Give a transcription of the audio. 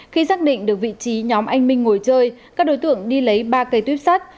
khi xác định được vị trí nhóm anh minh ngồi chơi các đối tượng đi lấy ba cây tuyếp sắt